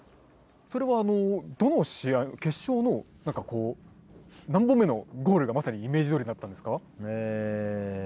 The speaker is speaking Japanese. それはどの試合決勝の何本目のゴールがまさにイメージどおりだったんですか？